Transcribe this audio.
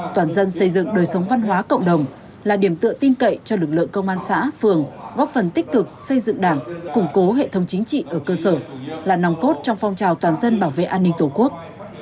toàn dân xây dựng đời sống văn hóa cộng đồng là điểm tựa tin cậy cho lực lượng công an xã phường góp phần tích cực xây dựng đảng củng cố hệ thống chính trị ở cơ sở là nòng cốt trong phong trào toàn dân bảo vệ an ninh tổ quốc